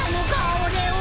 俺は！